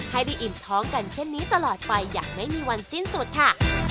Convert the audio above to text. ให้ได้อิ่มท้องกันเช่นนี้ตลอดไปอย่างไม่มีวันสิ้นสุดค่ะ